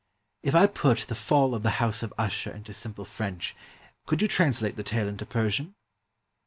" If I put 'The Fall of the House of Usher' into simple French, could you translate the tale into Persian?"